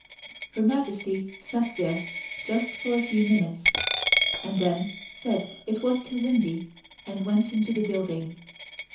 Her Majesty sat there just for a few minutes, and then said it was too windy and went into the building.